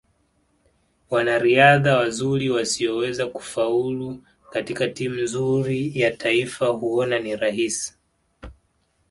Wanariadha wazuri wasioweza kufaulu katika timu nzuri ya taifa huona ni rahisi